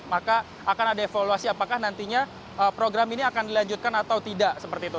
maka akan ada evaluasi apakah nantinya program ini akan dilanjutkan atau tidak seperti itu